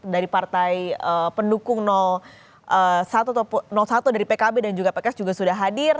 dari partai pendukung satu atau satu dari pkb dan juga pks juga sudah hadir